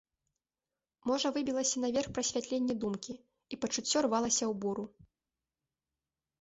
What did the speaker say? Можа выбілася наверх прасвятленне думкі, і пачуццё рвалася ў буру.